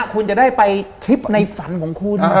คุณจะได้ไปคลิปในฝันของคุณ